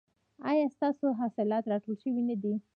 ایا ستاسو حاصلات راټول شوي نه دي؟